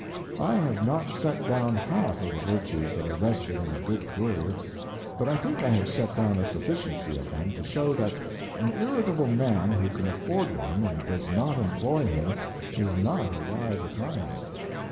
I have not set down half of the virtues that are vested in a good courier, but I think I have set down a sufficiency of them to show that an irritable man who can afford one and does not employ him is not a wise economist.